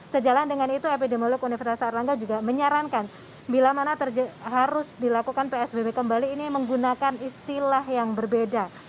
sejalan dengan itu epidemiolog universitas erlangga juga menyarankan bila mana harus dilakukan psbb kembali ini menggunakan istilah yang berbeda